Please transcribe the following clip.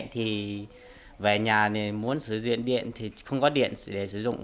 thì về nhà này muốn sử dụng điện thì không có điện để sử dụng